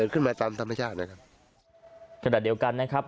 ขณะเดียวกันนะครับ